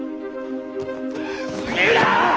杉浦！